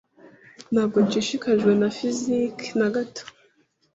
Ntabwo nshishikajwe na fiziki na gato.